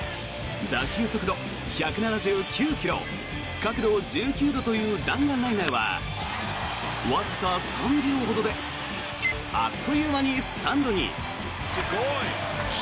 打球速度１７９ｋｍ角度１９度という弾丸ライナーはわずか３秒ほどであっという間にスタンドイン。